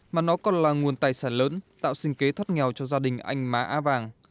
mà nó còn là nguồn tài sản lớn tạo sinh kế thoát nghèo cho gia đình anh má a vàng